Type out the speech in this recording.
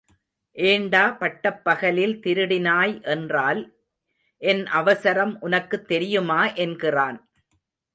ஏண்டா பட்டப்பகலில் திருடினாய் என்றால் என் அவசரம் உனக்குத் தெரியுமா என்கிறான்.